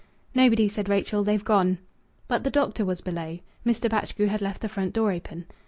"Nobody," said Rachel. "They've gone." But the doctor was below. Mr. Batchgrew had left the front door open.